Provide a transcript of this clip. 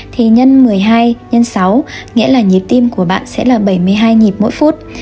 thì nhân một mươi hai x sáu nghĩa là nhịp tim của bạn sẽ là bảy mươi hai nhịp mỗi phút